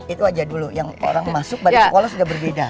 itu aja dulu yang orang masuk badan sekolah sudah berbeda